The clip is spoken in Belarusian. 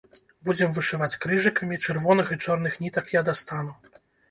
Будзем вышываць крыжыкамі, чырвоных і чорных нітак я дастану.